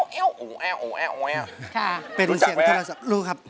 ค่ะรู้จักไหมครับรู้ครับเป็นเสียงธรรมชาติรู้ครับ